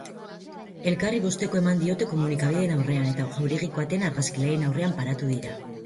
Elkarri bostekoa eman diote komunikabideen aurrean eta jauregiko atean argazkilarien aurrean paratu dira.